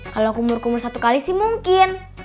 kalau kumur kumur satu kali sih mungkin